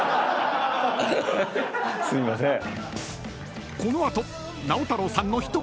すいません。